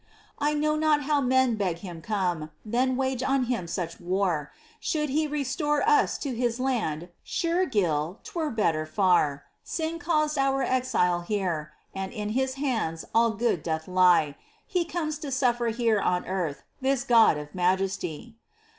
I know not how men beg Him come, Then wage on Him such war : Should He restore us to His land, Sure, Gil, 'twere better far !— Sin caused our exile here, and in His hands all good doth lie ! He comes to sufíer here on earth. This God of majesty.